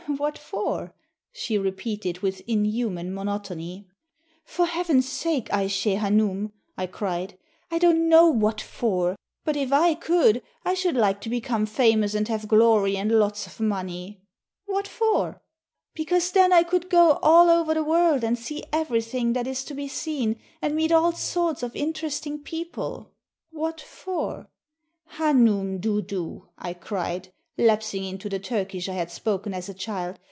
"What for?" she repeated, with inhuman monotony. "For Heaven's sake, Aishe Hanoum," I cried, "I don't know what for; but if I could, I should like to become famous and have glory and lots of money. " "What for?" "Because then I could go all over the world and see everything that is to be seen, and meet all sorts of in teresting people. " "What for?" "Hanoum doudou,'' I cried, lapsing into the Turkish I had spoken as a child.